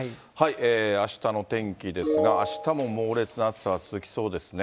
あしたの天気ですが、あしたも猛烈な暑さが続きそうですね。